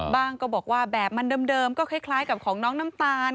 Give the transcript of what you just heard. ก็บอกว่าแบบมันเดิมก็คล้ายกับของน้องน้ำตาล